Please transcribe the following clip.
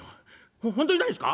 「ほ本当にないんっすか？」。